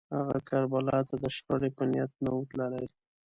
هغه کربلا ته د شخړې په نیت نه و تللی